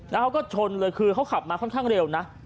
แล้วเขาก็ชนเลยคือเขาขับมาค่อนข้างเร็วนะ